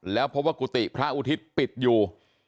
แล้วพบว่ากุฏิพระอุทิศปิดอยู่